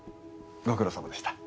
ご苦労さまでした。